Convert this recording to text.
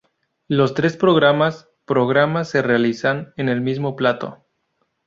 Los tres programas programas se realizan en el mismo plató.